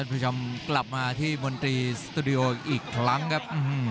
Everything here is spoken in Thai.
ผู้ชมกลับมาที่มนตรีสตูดิโออีกครั้งครับ